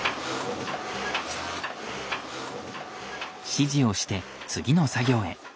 指示をして次の作業へ。